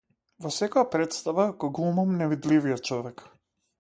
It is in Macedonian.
Во секоја претстава го глумам невидливиот човек!